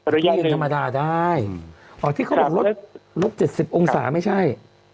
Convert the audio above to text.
ตู้เย็นธรรมดาได้อ๋อที่เขาบอกลดลบเจ็ดสิบองศาไม่ใช่